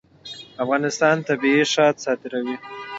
افغانستان طبیعي شات صادروي